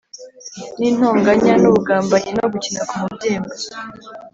n’intonganya n’ubugambanyi no gukina ku mubyimba